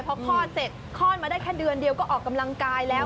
พอคลอดเสร็จคลอดมาได้แค่เดือนเดียวก็ออกกำลังกายแล้ว